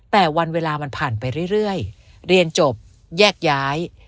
แต่วันเวลามันผ่านไปเรื่อยเรียนจบแยกย้าย